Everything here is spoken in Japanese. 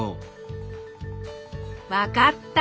分かった。